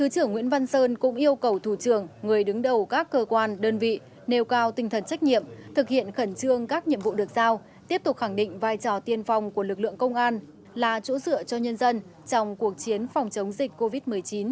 thứ trưởng nguyễn văn sơn cũng yêu cầu thủ trưởng người đứng đầu các cơ quan đơn vị nêu cao tinh thần trách nhiệm thực hiện khẩn trương các nhiệm vụ được giao tiếp tục khẳng định vai trò tiên phong của lực lượng công an là chỗ dựa cho nhân dân trong cuộc chiến phòng chống dịch covid một mươi chín